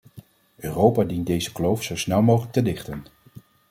Europa dient deze kloof zo snel mogelijk te dichten.